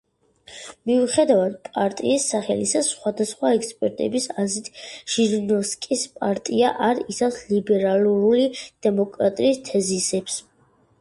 მიუხედავად პარტიის სახელისა, სხვადასხვა ექსპერტების აზრით ჟირინოვსკის პარტია არ იცავს ლიბერალური დემოკრატიის თეზისებს.